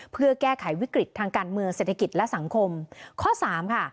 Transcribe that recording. เพื่อแก้ไขวิกฤตทางการเมืองเศรษฐกิจและสังคมข้อสามค่ะ